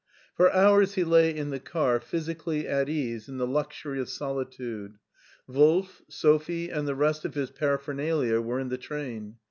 For hours he lay in the car physically at ease in the S39 240 MARTIN SCHULER luxury of solitude. Wolf, Sophie, and the rest of his paraphernalia were in the train.